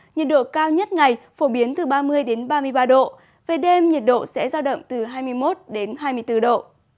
nhiệt độ cao nhất ngày phổ biến từ ba mươi ba mươi ba độ về đêm nhiệt độ sẽ giao động từ hai mươi một hai mươi bốn độ